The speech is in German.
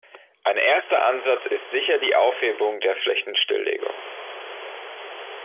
Ein erster Ansatz ist sicher die Aufhebung der Flächenstilllegung.